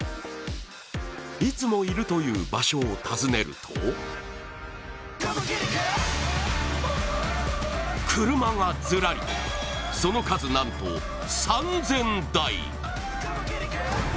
いつもいるという場所を訪ねると車がずらり、その数なんと３０００台。